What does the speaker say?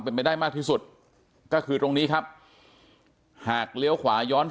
เป็นไปได้มากที่สุดก็คือตรงนี้ครับหากเลี้ยวขวาย้อน